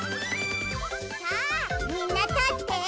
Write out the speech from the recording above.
さぁみんな立って。